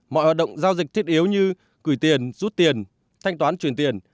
mọi hoạt động giao dịch thiết yếu như gửi tiền rút tiền thanh toán chuyển tiền